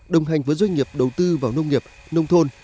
đồng hành với doanh nghiệp đầu tư vào nông nghiệp nông thôn